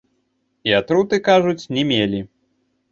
І атруты, кажуць, не мелі.